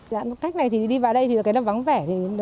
giãn cách này thì đi vào đây thì cái lập vắng vẻ